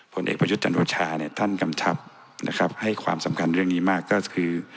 ผลเอกประชูชนรชาท่านกำชับให้ความสำคัญเรื่องนี้มาก